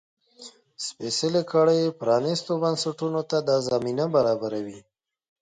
سپېڅلې کړۍ پرانيستو بنسټونو ته دا زمینه برابروي.